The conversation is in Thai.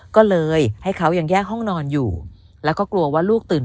ก็เลยให้เขายังแยกห้องนอนอยู่แล้วก็กลัวว่าลูกตื่น